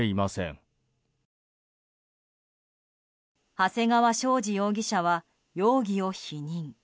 長谷川将司容疑者は容疑を否認。